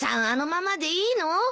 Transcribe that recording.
あのままでいいの？